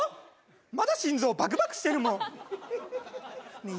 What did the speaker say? まだ心臓バクバクしてるもんねぇ